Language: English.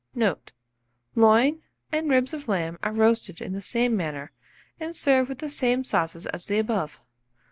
Note. Loin and ribs of lamb are roasted in the same manner, and served with the same sauces as the above.